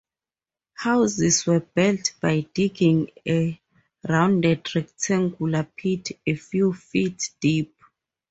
Houses were built by digging a rounded rectangular pit a few feet deep.